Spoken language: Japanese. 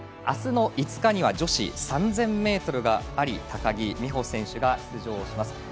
あすの５日には女子３０００ｍがあり高木美帆選手が出場します。